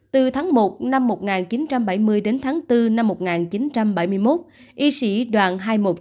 từ tháng một năm một nghìn chín trăm bảy mươi đến tháng bốn năm một nghìn chín trăm bảy mươi một y sĩ đoàn hai nghìn một trăm chín mươi một